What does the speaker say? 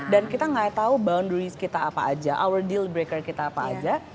dan kita gak tahu boundaries kita apa aja our deal breaker kita apa aja